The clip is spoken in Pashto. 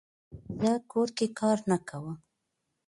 زه کور کې کار نه کووم